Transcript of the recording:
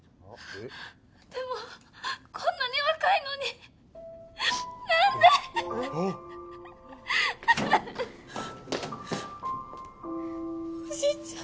でもこんなに若いのになんで！おじいちゃん。